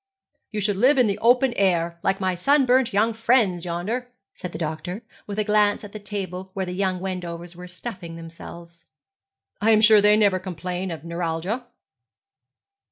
'You should live in the open air, like my sunburnt young friends yonder,' said the doctor, with a glance at the table where the young Wendovers were stuffing themselves; 'I am sure they never complain of neuralgia.'